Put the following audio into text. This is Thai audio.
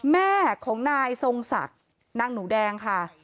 แม่ของนายทรงศักดิ์นางหนูแดงค่ะ